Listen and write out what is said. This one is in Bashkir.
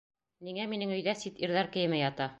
Ниңә минең өйҙә сит ирҙәр кейеме ята?